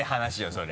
それ。